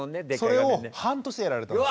それを半年でやられたんです。